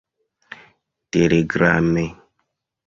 telegrame